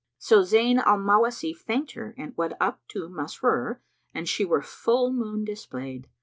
So Zayn al Mawasif thanked her and went up to Masrur, as she were full moon displayed.